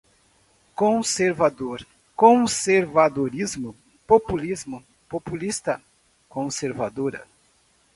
Conservador, conservadorismo, populismo, populista, conservadora